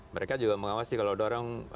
mereka juga mengawasi kalau ada orang